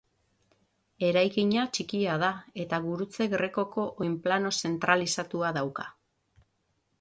Eraikina txikia da eta gurutze grekoko oinplano zentralizatua dauka.